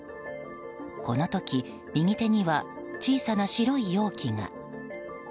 この時、右手には小さな白い容器が。